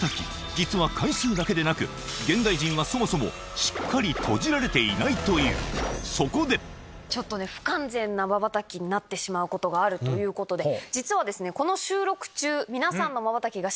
実は回数だけでなく現代人はそもそもしっかり閉じられていないというそこで不完全なまばたきになることがあるということで実はですね。